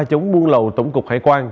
chống buôn lậu tổng cục hải quan